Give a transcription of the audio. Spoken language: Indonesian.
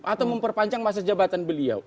atau memperpanjang masa jabatan beliau